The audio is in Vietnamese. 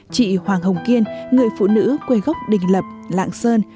chị hoàng hồng kiên người phụ nữ quê gốc đình lập lạng sơn